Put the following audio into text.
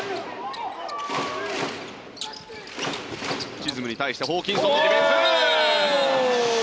チズムに対してホーキンソンのディフェンス！